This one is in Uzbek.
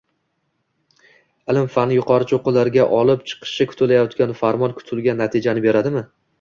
Ilm-fanini yuqori cho‘qqilarga olib chiqishi kutilayotgan Farmon kutilgan natijani beradimi?